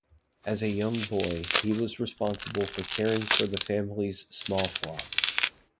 As a young boy, he was responsible for caring for the family's small flock.